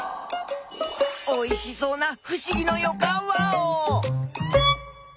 おいしそうなふしぎのよかんワオ！